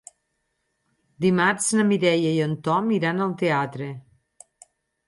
Dimarts na Mireia i en Tom iran al teatre.